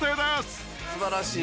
素晴らしい。